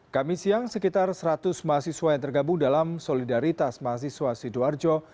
kami siang sekitar seratus mahasiswa yang tergabung dalam solidaritas mahasiswa sidoarjo